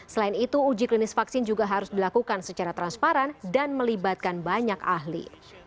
selain itu uji klinis vaksin juga harus dilakukan secara transparan dan melibatkan banyak ahli